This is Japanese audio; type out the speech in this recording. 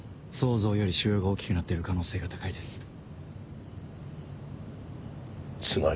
想像より腫瘍が大きくなってる可能性が高いです。